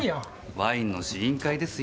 ワインの試飲会ですよ。